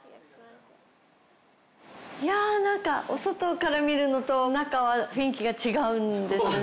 いやあなんかお外から見るのと中は雰囲気が違うんですね。